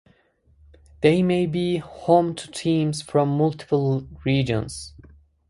They may be home to teams from multiple regions.